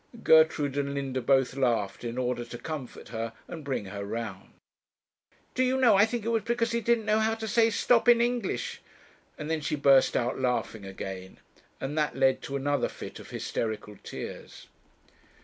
Gertrude and Linda both laughed in order to comfort her and bring her round. 'Do you know, I think it was because he didn't know how to say 'stop' in English;' and then she burst out laughing again, and that led to another fit of hysterical tears.